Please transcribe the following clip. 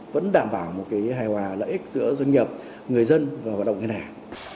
vẫn đảm bảo một hài hòa lợi ích giữa doanh nghiệp người dân và hoạt động ngân hàng